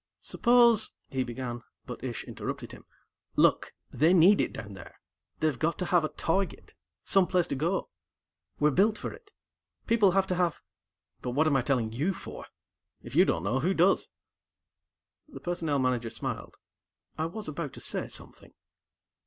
"Suppose " he began, but Ish interrupted him. "Look, they need it, down there. They've got to have a target, someplace to go. We're built for it. People have to have but what am I telling you for. If you don't know, who does?" The Personnel Manager smiled. "I was about to say something."